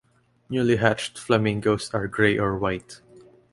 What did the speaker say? Newly hatched flamingos are gray or white.